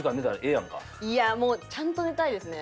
いやもうちゃんと寝たいですね。